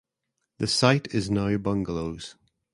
The site is now bungalows.